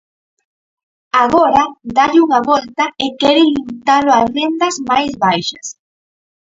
Agora dálle unha volta e quere limitalo ás rendas máis baixas.